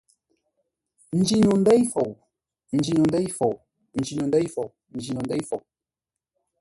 Njî no ndêi fou, n njîno ndêi fou njî no ndêi fou, n njî no ndêi fou.